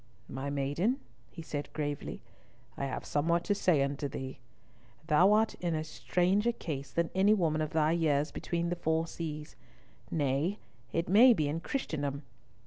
"My maiden," he said, gravely, "I have somewhat to say unto thee. Thou art in a stranger case than any woman of thy years between the four seas; nay, it may be in Christendom.